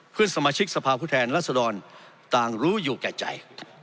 เพื่อนสมาชิกสภาพผู้แทนรัศดรต่างรู้อยู่แก่ใจ